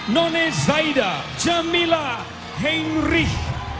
none zaida jamila hengrih